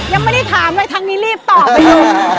ยังไม่ได้ถามเลยทั้งนี้รีบตอบไปเลย